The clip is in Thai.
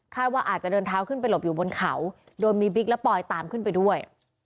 ว่าอาจจะเดินเท้าขึ้นไปหลบอยู่บนเขาโดยมีบิ๊กและปอยตามขึ้นไปด้วย